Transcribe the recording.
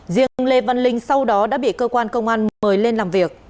riêng lê văn linh sau đó đã bị cơ quan công an mời lên làm việc